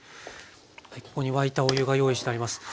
ここに沸いたお湯が用意してあります。